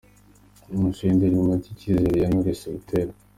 Amashusho y’indirimbo nshya Icyizere ya Knowless Butera:.